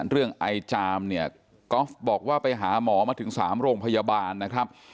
เรื่องไอจามเนี่ยก๊อฟบอกว่าไปหาหมอมาถึง๓โรงพยาบาลนะครับ